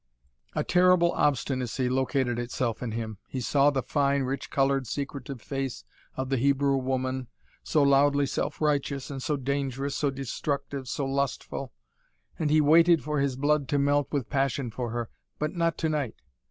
A terrible obstinacy located itself in him. He saw the fine, rich coloured, secretive face of the Hebrew woman, so loudly self righteous, and so dangerous, so destructive, so lustful and he waited for his blood to melt with passion for her. But not tonight.